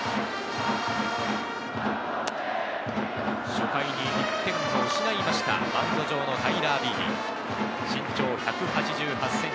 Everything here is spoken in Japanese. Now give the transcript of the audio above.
初回に１点を失いました、マウンド上のタイラー・ビーディ。